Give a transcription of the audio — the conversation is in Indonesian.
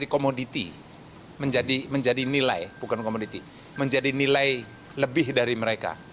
komoditi menjadi nilai bukan komoditi menjadi nilai lebih dari mereka